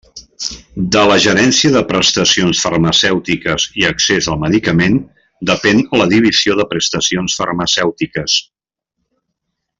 De la Gerència de Prestacions Farmacèutiques i Accés al Medicament depèn la Divisió de Prestacions Farmacèutiques.